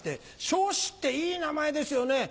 生志っていい名前ですよね。